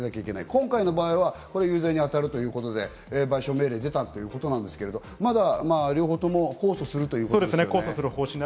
今回の場合は有罪に当たるということで、賠償命令が出たんですけど、まだ両方とも控訴するということですね。